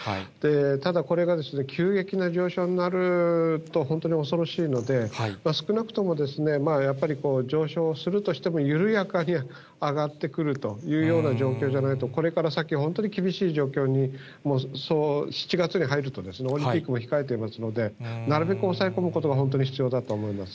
ただ、これが急激な上昇になると、本当におそろしいので、少なくとも、やっぱり、上昇するとしても、緩やかに上がってくるというような状況じゃないと、これから先、本当に厳しい状況に、７月に入ると、オリンピックも控えていますので、なるべく抑え込むことが本当に必要だと思います。